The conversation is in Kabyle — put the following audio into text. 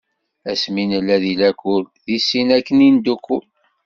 Asmi nella di lakul, deg sin akken i neddukul.